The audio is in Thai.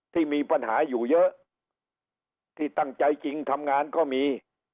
ที่มีปัญหาอยู่เยอะที่ตั้งใจจริงทำงานก็มี